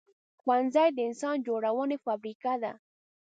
ښوونځی د انسان جوړونې فابریکه ده